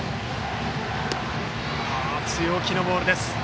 強気のボールです。